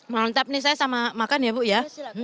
mantap nih saya sama makan ya bu ya